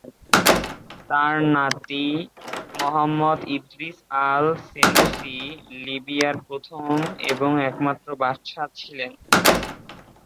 তার নাতি Muhammad Idris al-Senussi লিবিয়ার প্রথম এবং একমাত্র বাদশাহ ছিলেন।